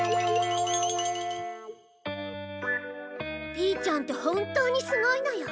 ピーちゃんって本当にすごいのよ。